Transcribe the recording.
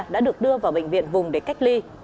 đã được đưa vào bệnh viện vùng để cách ly